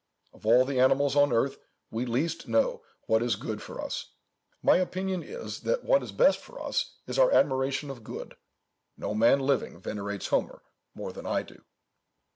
Of all the animals on earth we least know what is good for us. My opinion is, that what is best for us is our admiration of good. No man living venerates Homer more than I do."